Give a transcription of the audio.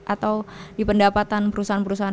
atau di pendapatan perusahaan perusahaan